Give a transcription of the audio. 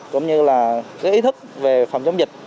cũng như là cái ý thức về phòng chống dịch